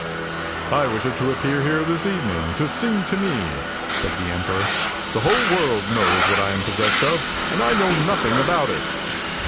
" I wish it to appear here this evening to sing to me," said the emperor. " The whole world knows what I am possessed of, and I know nothing about it!